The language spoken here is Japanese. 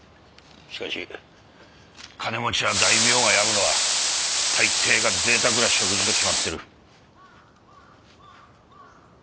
しかし金持ちや大名が病むのは大抵がぜいたくな食事と決まってる。